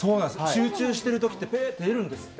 集中してるときって、べーって出るんですって。